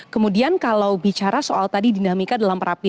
kemudian kalau bicara soal tadi dinamika dalam perapian